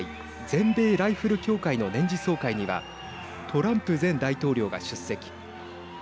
全米ライフル協会の年次総会にはトランプ前大統領が出席。